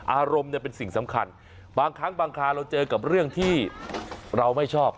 อารมณ์เนี่ยเป็นสิ่งสำคัญบางครั้งบางคราวเราเจอกับเรื่องที่เราไม่ชอบ